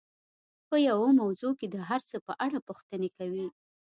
په يوه موضوع کې د هر څه په اړه پوښتنې کوي.